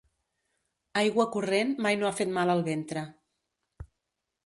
Aigua corrent mai no ha fet mal al ventre.